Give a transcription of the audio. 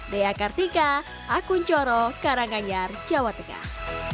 dea kartika akun coro karanganyar jawa tengah